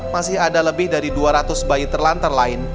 masih ada lebih dari dua ratus bayi terlantar lain